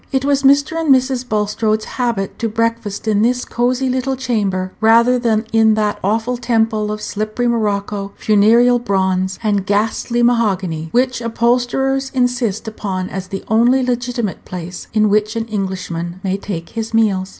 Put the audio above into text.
It was Mr. and Mrs. Bulstrode's habit to breakfast in this cosy little chamber rather than in that awful temple of slippery morocco, funereal bronze, and ghastly mahogany, which upholsterers insist upon as the only legitimate place in which an Englishman may take his meals.